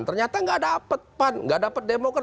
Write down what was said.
ternyata nggak dapat pan nggak dapat demokrat